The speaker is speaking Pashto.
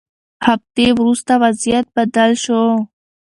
هفتې وروسته وضعیت بدل شو.